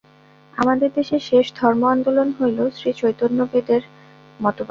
আমাদের দেশের শেষ ধর্ম-আন্দোলন হইল শ্রীচৈতন্যদেবের মতবাদ।